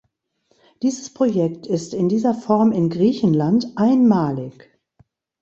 Dieses Projekt ist in dieser Form in Griechenland einmalig.